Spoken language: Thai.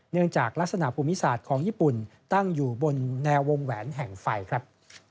เนื่องจากลักษณะภูมิศาสตร์ของญี่ปุ่นตั้งอยู่บนแนววงแหวนแห่งไฟครับ